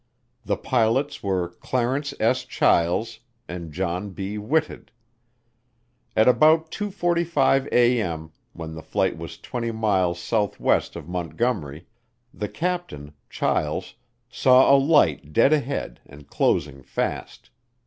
The pilots were Clarence S. Chiles and John B. Whitted. At about 2:45 A.M., when the flight was 20 miles southwest of Montgomery, the captain, Chiles, saw a light dead ahead and closing fast.